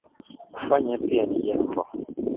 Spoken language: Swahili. Kufanya pia ni jambo